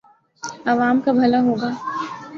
عوام کا بھلا ہو گا۔